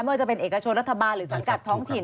ว่าจะเป็นเอกชนรัฐบาลหรือสังกัดท้องถิ่น